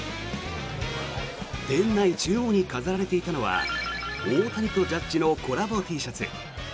店内中央に飾られていたのは大谷とジャッジのコラボＴシャツ。